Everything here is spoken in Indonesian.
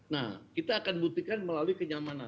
nah kita akan buktikan melalui kenyamanan